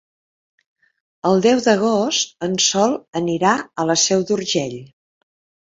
El deu d'agost en Sol anirà a la Seu d'Urgell.